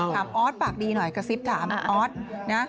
ออสปากดีหน่อยกระซิบถามออสนะ